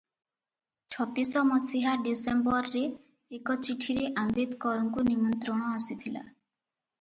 ଛତିଶ ମସିହା ଡିସେମ୍ବରରେ ଏକ ଚିଠିରେ ଆମ୍ବେଦକରଙ୍କୁ ନିମନ୍ତ୍ରଣ ଆସିଥିଲା ।